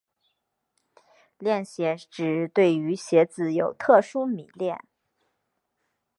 恋鞋指对于鞋子有特殊迷恋。